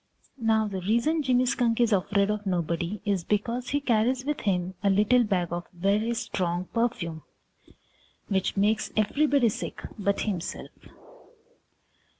Now the reason Jimmy Skunk is afraid of nobody is because he carries with him a little bag of very strong perfume which makes everybody sick but himself.